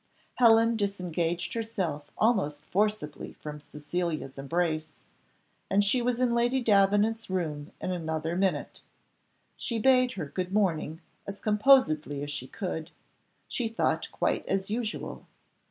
Helen disengaged herself almost forcibly from Cecilia's embrace, and she was in Lady Davenant's room in another minute. She bade her good morning as composedly as she could, she thought quite as usual.